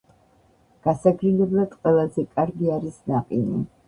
გასაგრილებლად ყველაზე კარგი არის ნაყინი